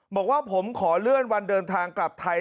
บอกว่าผมขอเลื่อนวันเดินทางกลับไทย